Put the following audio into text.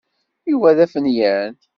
Yuba d afenyan.